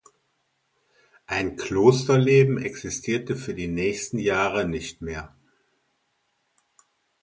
Ein Klosterleben existierte für die nächsten Jahre nicht mehr.